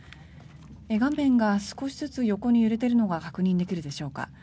画面が少しずつ横に揺れているのが確認できるでしょうか。